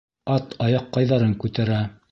Ат аяҡҡайҙарын күтәрә